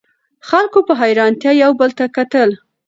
خلکو په حیرانتیا یو بل ته کتل.